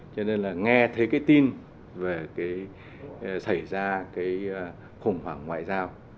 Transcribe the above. cho nên là nghe thấy cái tin về cái xảy ra cái khủng hoảng ngoại giao